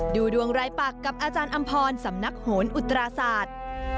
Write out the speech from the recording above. ดูดวงรายปักกับอาจารย์อำพรสำนักโหนอุตราศาสตร์